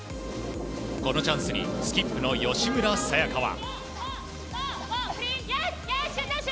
このチャンスにスキップの吉村紗也香は。